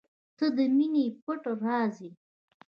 • ته د مینې پټ راز یې.